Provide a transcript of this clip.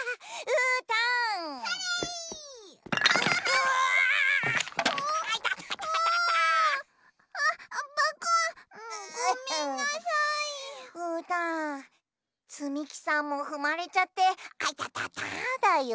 うーたんつみきさんもふまれちゃってあいたただよ。